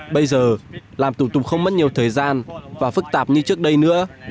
bây giờ làm thủ tục không mất nhiều thời gian và phức tạp như trước đây nữa